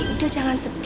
udah jangan sedih